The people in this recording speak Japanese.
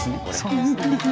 そうですね。